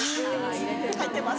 入ってます。